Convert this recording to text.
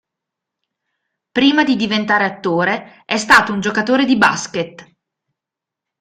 Prima di diventare attore, è stato un giocatore di Basket.